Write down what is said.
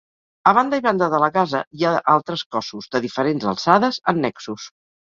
A banda i banda de la casa hi ha altres cossos, de diferents alçades, annexos.